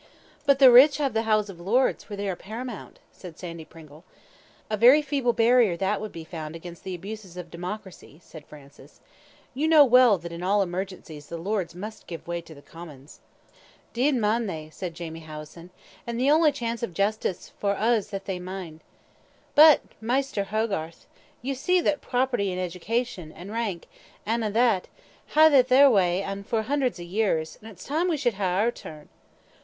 "But the rich have the House of Lords, where they are paramount," said Sandy Pringle. "A very feeble barrier that would be found against the abuses of democracy," said Francis. "You know well that in all emergencies the Lords must give way to the Commons." "'Deed maun they," said Jamie Howison, "and the only chance of justice for huz that they maun. But, Maister Hogarth, ye see that property, an' education, an' rank, an' a' that, hae had it a' their ain way for hundreds o' years; it's time that we should hae oor turn.